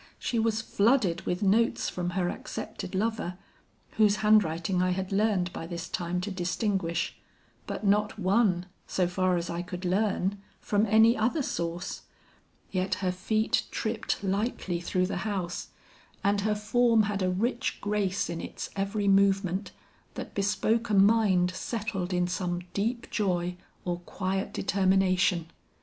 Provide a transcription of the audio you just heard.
She was flooded with notes from her accepted lover, whose handwriting I had learned by this time to distinguish, but not one, so far as I could learn, from any other source; yet her feet tripped lightly through the house, and her form had a rich grace in its every movement, that bespoke a mind settled in some deep joy or quiet determination.